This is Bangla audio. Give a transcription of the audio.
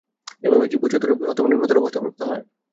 এইভাবে জীব উচ্চতর অথবা নিম্নতর অবস্থা প্রাপ্ত হয়।